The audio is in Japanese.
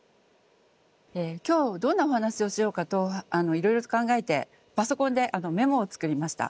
今日どんなお話をしようかといろいろと考えてパソコンでメモを作りました。